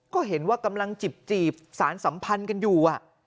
ก็เห็นว่ากำลังจีบสารสัมพันธ์กันอยู่